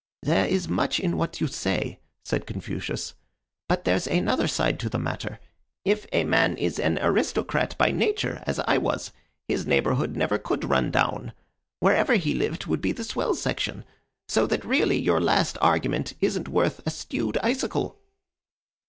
"There is much in what you say," said Confucius. "But there's another side to the matter. If a man is an aristocrat by nature, as I was, his neighborhood never could run down. Wherever he lived would be the swell section, so that really your last argument isn't worth a stewed icicle."